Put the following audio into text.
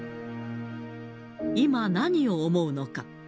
今、何を思うのか。